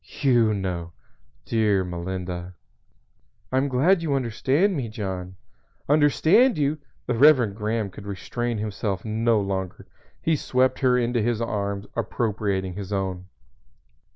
you know! Dear Melinda!" "I am glad you understand me, John." "Understand you!" The Reverend Graham could restrain himself no longer. He swept her into his arms, appropriating his own.